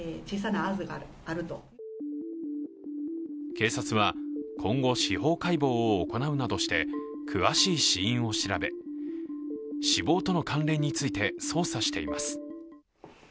警察は、今後、司法解剖を行うなどして詳しい死因を調べ死亡との関連について捜査しています。